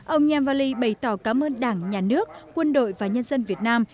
ông yam vali bày tỏ cảm ơn đảng nhà nước quân đội và nhân dân việt nam